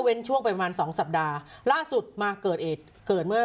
ช่วงประมาณสองสัปดาห์ล่าสุดมาเกิดเหตุเกิดเมื่อ